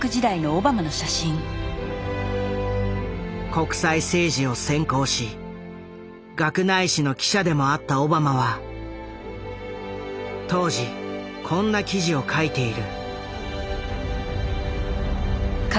国際政治を専攻し学内誌の記者でもあったオバマは当時こんな記事を書いている。